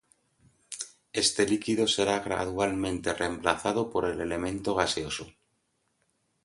Este líquido será gradualmente remplazado por el elemento gaseoso.